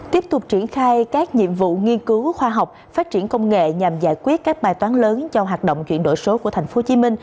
tiếp tục triển khai các nhiệm vụ nghiên cứu khoa học phát triển công nghệ nhằm giải quyết các bài toán lớn cho hoạt động chuyển đổi số của tp hcm